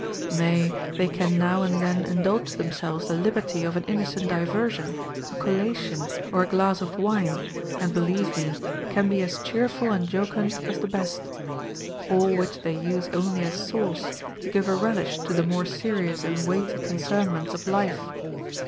Nay, they can now and then indulge themselves the liberty of an innocent diversion, a collation, or a glass of wine, and, believe me, can be as cheerful and jocund as the best ; all which they use only as sauce, to give a relish to the more serious and weighty concernments of life.